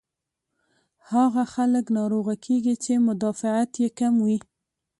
هاغه خلک ناروغه کيږي چې مدافعت ئې کم وي